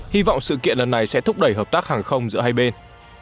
hy vọng sự kiện lần này sẽ thúc đẩy hợp tác hàng không giữa hai bên